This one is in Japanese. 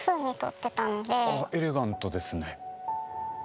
あっエレガントですね。